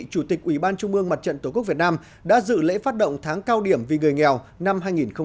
chủ tịch ủy ban trung ương mặt trận tổ quốc việt nam đã dự lễ phát động tháng cao điểm vì người nghèo năm hai nghìn một mươi sáu